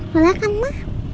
boleh kan ma